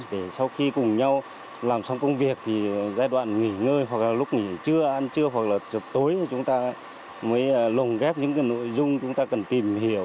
để sau khi cùng nhau làm xong công việc thì giai đoạn nghỉ ngơi hoặc là lúc nghỉ trưa ăn trưa hoặc là chập tối thì chúng ta mới lồng ghép những cái nội dung chúng ta cần tìm hiểu